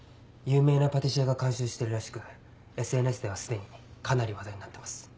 有名なパティシエが監修してるらしくＳＮＳでは既にかなり話題になってます。